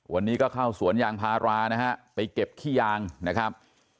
วันนี้ก็เข้าสวนยางพารานะฮะไปเก็บขี้ยางนะครับ